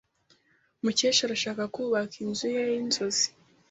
Mukesha arashaka kubaka inzu ye yinzozi.